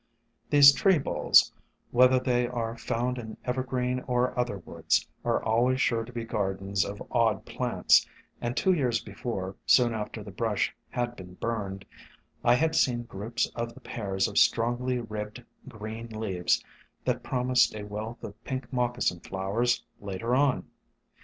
These tree bowls, whether they are found in evergreen or other woods, are always sure to be gardens of odd plants, and two years before, soon after the brush had been burned, I had seen groups of the pairs of strongly ribbed green le aves that promised a wealth of pink Moccasin Flowers later on.